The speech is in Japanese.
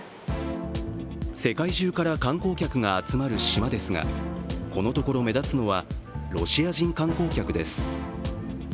世界中から観光客が集まる島ですが、このところ目立つのはロシア人観光客です。